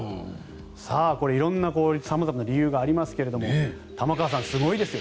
さあ、色んな様々な理由がありますが玉川さん、すごいですよ。